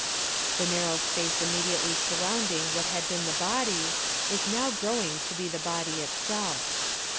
The narrow space immediately surrounding what had been the body, was now growing to be the body itself.